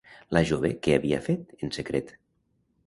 La jove què havia fet, en secret?